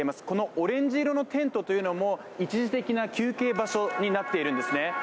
このオレンジ色のテントも一時的な休憩場所になっているんですね。